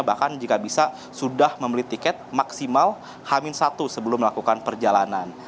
bahkan jika bisa sudah membeli tiket maksimal hamil satu sebelum melakukan perjalanan